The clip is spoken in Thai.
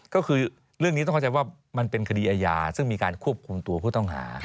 ก็คือเรื่องนี้ต้องเข้าใจว่ามันเป็นคดีอาญาซึ่งมีการควบคุมตัวผู้ต้องหา